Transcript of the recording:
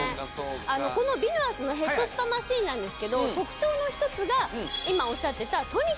このＶＩＮＯＡＳのヘッドスパマシンなんですけど特徴の一つが今おっしゃってた。